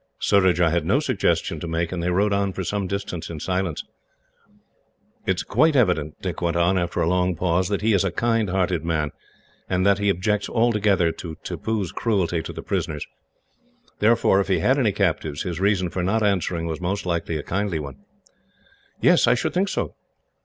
Surajah had no suggestion to make, and they rode on for some distance in silence. "It is quite evident," Dick went on, after a long pause, "that he is a kind hearted man, and that he objects altogether to Tippoo's cruelty to the prisoners. Therefore, if he had any captives, his reason for not answering was most likely a kindly one." "Yes, I should think so."